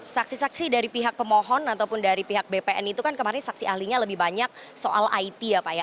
saksi saksi dari pihak pemohon ataupun dari pihak bpn itu kan kemarin saksi ahlinya lebih banyak soal it ya pak ya